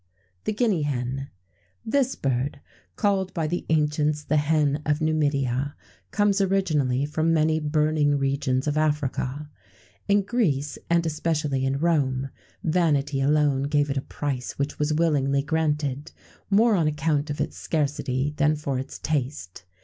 [XVII 97] THE GUINEA HEN. This bird, called by the ancients the "Hen of Numidia," comes originally from many burning regions of Africa. In Greece, and especially in Rome, vanity alone gave it a price which was willingly granted, more on account of its scarcity than for its taste.